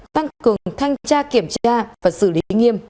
tăng cường thanh tra kiểm tra và xử lý nghiêm